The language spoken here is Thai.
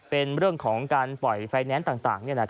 เป็นเรื่องของการปล่อยไฟแนนซ์ต่าง